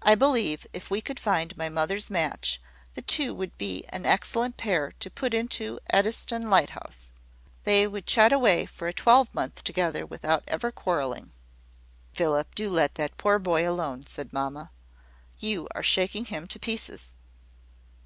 "I believe, if we could find my mother's match, the two would be an excellent pair to put into Eddystone lighthouse. They would chat away for a twelvemonth together without ever quarrelling." "Philip, do let that poor boy alone," said mamma. "You are shaking him to pieces."